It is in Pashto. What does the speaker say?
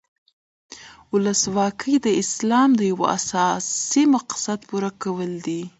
ولسواکي د اسلام د یو اساسي مقصد پوره کول دي.